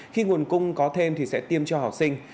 khi nguồn cung có thêm thì sẽ tiêm cho học sinh